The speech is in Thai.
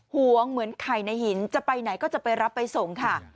ห่วงเหมือนไข่ในหินจะไปไหนก็จะไปรับไปส่งค่ะ